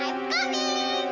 terima kasih enggak